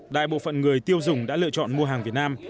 đại bộ phận người tiêu dùng đã lựa chọn mua hàng việt nam